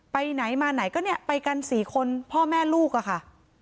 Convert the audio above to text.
ไปไหนมาไหนก็ไปกันสี่คนพ่อแม่ลูกค่ะ